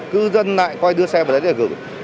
cư dân lại coi đưa xe vào đấy để gửi